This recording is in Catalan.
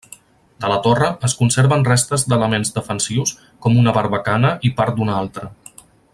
De la torre, es conserven restes d'elements defensius com una barbacana i part d'una altra.